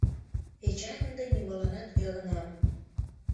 Эчан, ынде нимоланат ӧрынам.